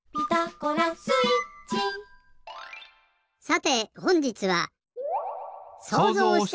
さてほんじつは。